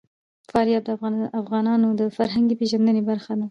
فاریاب د افغانانو د فرهنګي پیژندنې برخه ده.